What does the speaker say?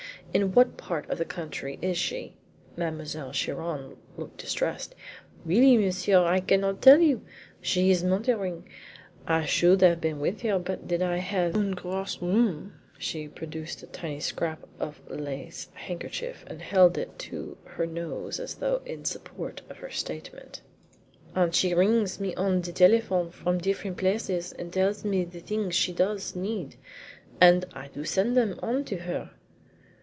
"In what part of the country is she?" Mademoiselle Chiron looked distressed. "Really, monsieur, I cannot tell you. She is motoring, and I should have been with her but that I have un gros rhume" she produced a tiny scrap of lace handkerchief and held it to her nose as though in support of her statement "and she rings me on the telephone from different places and tells me the things she does need, and I do send them on to her."